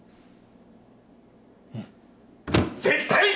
うん。絶対！